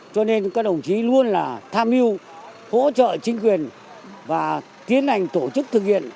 cho nên các đồng chí luôn là tham mưu hỗ trợ chính quyền và tiến hành tổ chức thực hiện